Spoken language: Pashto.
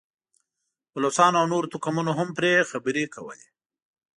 بلوڅانو او نورو توکمونو هم پرې خبرې کولې.